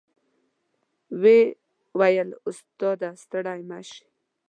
وې ویل استاد ه ستړی مه شې.